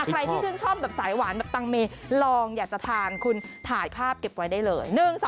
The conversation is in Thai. ใครที่ชื่นชอบแบบสายหวานแบบตังเมลองอยากจะทานคุณถ่ายภาพเก็บไว้ได้เลย